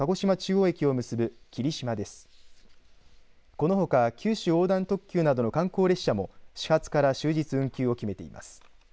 このほか九州横断特急などの観光列車も始発から終日運休を決めています。